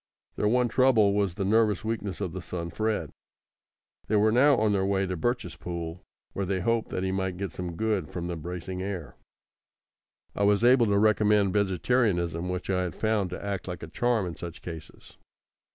Their one trouble was the nervous weakness of the son Fred. They were now on their way to Birchespool, where they hoped that he might get some good from the bracing air. I was able to recommend vegetarianism, which I have found to act like a charm in such cases.